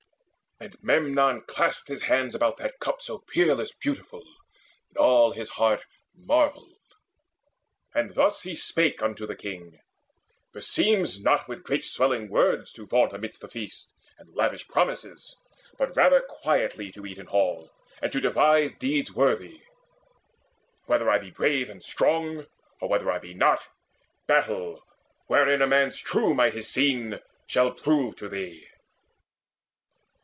And Memnon clasped his hands about that cup So peerless beautiful, and all his heart Marvelled; and thus he spake unto the King: "Beseems not with great swelling words to vaunt Amidst the feast, and lavish promises, But rather quietly to eat in hall, And to devise deeds worthy. Whether I Be brave and strong, or whether I be not, Battle, wherein a man's true might is seen, Shall prove to thee.